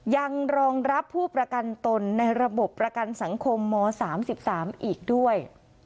ยังรองรับผู้ประกันตนในระบบประกันสังคมม๓๓อีกด้วย